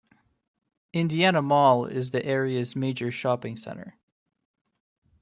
Indiana Mall is the area's major shopping center.